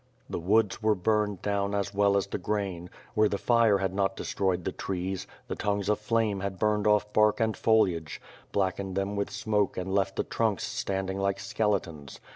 The woods were burned down as well as the grain; where the fire had not de stroyed the trees, the tongues of flame had burned off bark and foliage, blackened them with smoke and left the trunks standing like skeletons.